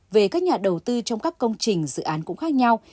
về các nhà đầu tư trong các công trình dự án cũng khác nhau